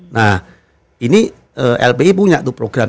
nah ini lbi punya tuh program